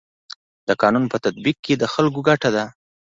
د قانون په تطبیق کي د خلکو ګټه ده.